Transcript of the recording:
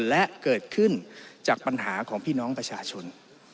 และเกิดขึ้นจากปัญหาของพี่น้องประชาชน